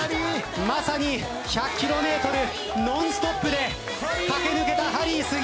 まさに１００ｋｍノンストップで駆け抜けたハリー杉山。